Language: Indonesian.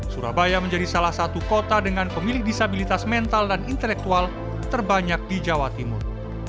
surabaya menjadi salah satu kota dengan pemilih disabilitas mental dan intelektual terbanyak di jawa timur